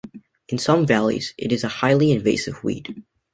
In some valleys, it is a highly invasive weed.